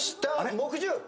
木１０。